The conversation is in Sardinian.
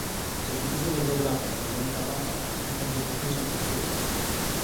Sa difusione geogràfica de sa limba basca est istada in regressu pro sèculos.